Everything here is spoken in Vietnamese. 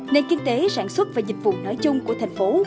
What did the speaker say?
nền kinh tế sản xuất và dịch vụ nói chung của thành phố